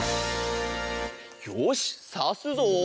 よしさすぞ。